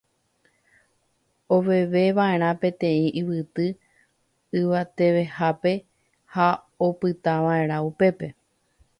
Oveveva'erã peteĩ yvyty yvatevehápe ha opytava'erã upépe.